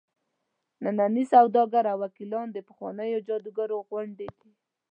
ننني سوداګر او وکیلان د پخوانیو جادوګرو غوندې دي.